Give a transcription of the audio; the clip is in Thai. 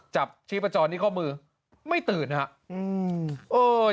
จับชี้ประจอนที่ก้อมือไม่ตื่นนะครับ